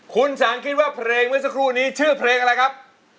คุณศังแคลิงเมื่อกี้ซักครู่นี้ชื่อเพลงอะไรครับ